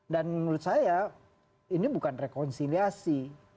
dan menurut saya ini bukan rekonsiliasi